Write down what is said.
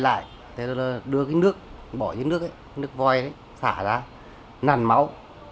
cắt lại thế là đưa cái nước bỏ cái nước ấy nước vòi ấy xả ra nằn máu